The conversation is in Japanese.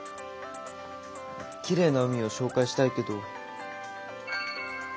きれいな海を紹介したいけど。